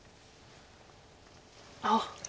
あっ。